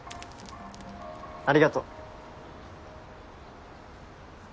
ありがとう。